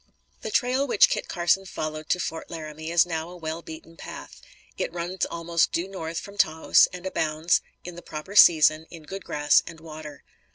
The trail which Kit Carson followed to Fort Laramie is now a well beaten path. It runs almost due north from Taos, and abounds, in the proper season, in good grass and water.